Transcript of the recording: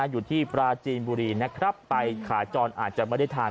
อยู่ที่ปราจีนบุรีนะครับไปขาจรอาจจะไม่ได้ทาน